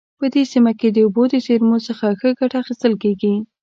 په دې سیمه کې د اوبو د زیرمو څخه ښه ګټه اخیستل کیږي